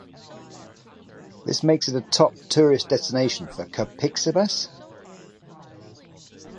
This makes it a top tourist destination for Capixabas.